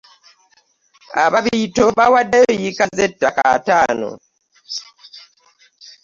Ababiito bawaddeyo yiika z'ettaka ataano.